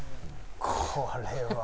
これは。